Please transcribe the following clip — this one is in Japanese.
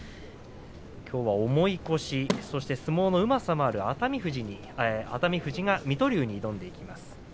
きょうは重い腰、そして相撲のうまさもある熱海富士が水戸龍に挑んでいきます。